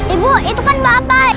ibu itu kan bapak